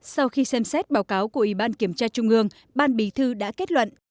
sau khi xem xét báo cáo của ubnd ban bí thư đã kết luận